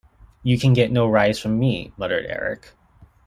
"You can get no rise from me," muttered Eric.